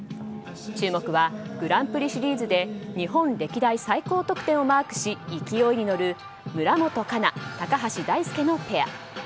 注目はグランプリシリーズで日本歴代最高得点をマークし勢いに乗る、村元哉中高橋大輔のペア。